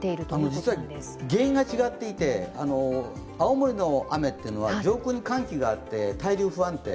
実は原因が違っていて青森の雨というのは上空に寒気があって対流不安定。